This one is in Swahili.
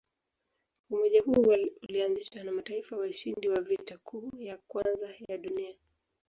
Umoja huo ulianzishwa na mataifa washindi wa Vita Kuu ya Kwanza ya Dunia.